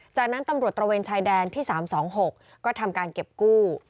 จากนั้นตำรวจตระเวนชายแดนที่๓๒๖ก็ทำการเก็บกู้